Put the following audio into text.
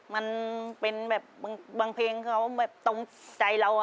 มันเป็นแบบบางเพลงเขาแบบตรงใจเรา